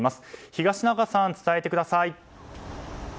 東中さん、伝えてください。